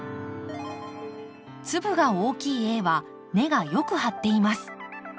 粒が大きいＡは根がよく張っています。